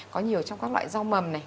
có nhiều trong các loại rau mầm này